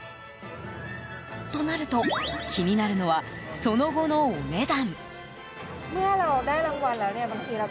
となると、気になるのはその後のお値段。